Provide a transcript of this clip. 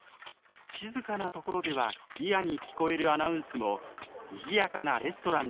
静かなところではクリアに聞こえるアナウンスもにぎやかなレストランでは。